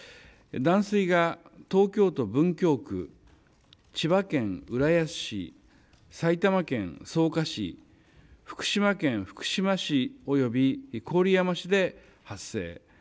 断水が東京都文京区、千葉県浦安市、埼玉県草加市、福島県福島市および郡山市で発生。